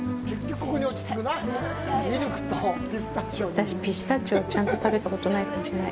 私、ピスタチオをちゃんと食べたことないかもしれない。